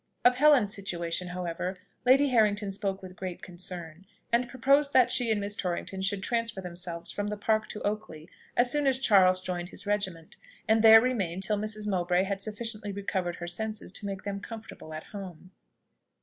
Of Helen's situation, however, Lady Harrington spoke with great concern, and proposed that she and Miss Torrington should transfer themselves from the Park to Oakley as soon as Charles joined his regiment, and there remain till Mrs. Mowbray had sufficiently recovered her senses to make them comfortable at home.